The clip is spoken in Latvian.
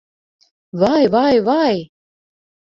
Vai, vai, vai!